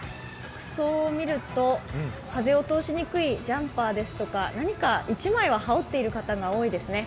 服装を見ると風を通しにくいジャンパーだとか何か１枚は羽織っている方が多いですね。